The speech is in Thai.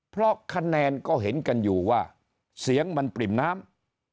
เพราะคะแนนก็เห็นกันอยู่ว่าเสียงมันปริ่มน้ำ